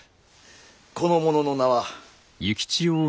この者の名は。